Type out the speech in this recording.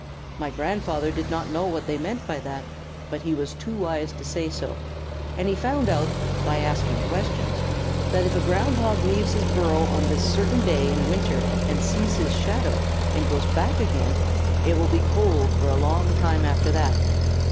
My grandfather did not know what they meant by that, but he was too wise to say so, and he found out by asking questions, that if a Ground Hog leaves his burrow on this certain day in winter, and sees his shadow, and goes back again, it will be cold for a long time after that.